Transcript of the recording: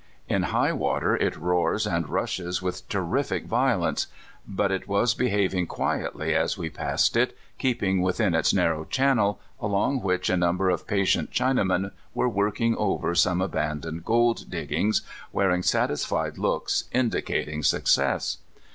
In high water it roars and rushes with terrific violence. But it was l3(!having quietly as we passed it, keeping within its narrow channel, along which a number of pa tient Chinamen were working over some abandoned gold diggings, wearing satisfied looks, indicating success.